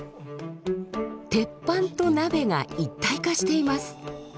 鉄板と鍋が一体化しています。